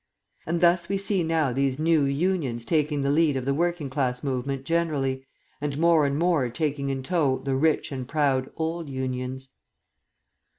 And thus we see now these new Unions taking the lead of the working class movement generally, and more and more taking in tow the rich and proud "old" Unions.